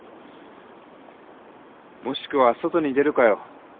もしくは外に出るかよ。